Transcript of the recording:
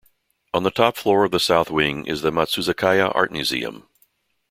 On the top floor of the south wing is the Matsuzakaya Art Museum.